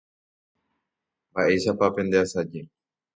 mba'éichapa pendeasaje